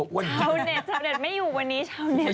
ชาวเน็ตชาวเน็ตไม่อยู่วันนี้